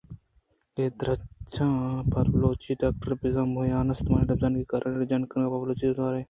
اے درٛچ ءَ پہ بلوچی ءَ ڈاکٹر بیزن ءِ میان اُستمانی لبزانکی کارانی رجانک کنگ پہ بلوچی ءَ توروے اِنت